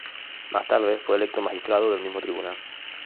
Más tarde fue electo Magistrado del mismo tribunal.